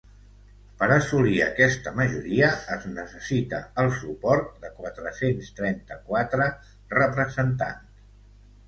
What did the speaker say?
Per assolir aquesta majoria, es necessita el suport de quatre-cents trenta-quatre representants.